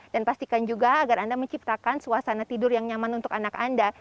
dan pastikan juga agar anda menciptakan suasana tidur yang nyaman untuk anak anda